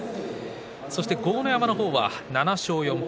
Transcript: そして豪ノ山の方は７勝４敗。